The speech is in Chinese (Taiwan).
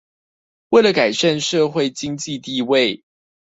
為了改善社會經濟地位